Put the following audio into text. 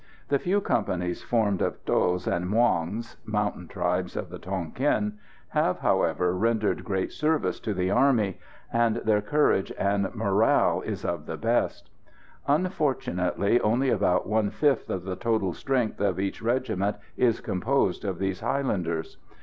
The few companies formed of Thos and Muongs (mountain tribes of the Tonquin) have, however, rendered great service to the army, and their courage and morale is of the best. Unfortunately, only about one fifth of the total strength of each regiment is composed of these highlanders.